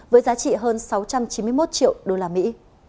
với giá trị hơn sáu trăm chín mươi một triệu đồng một lượng